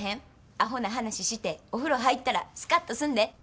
アホな話してお風呂入ったらスカッとすんで。